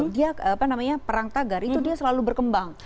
dia apa namanya perang tagar itu dia selalu berkembang